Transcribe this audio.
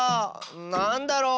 なんだろう？